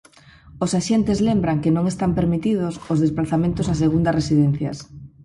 Os axentes lembran que non están permitidos o desprazamentos a segundas residencias.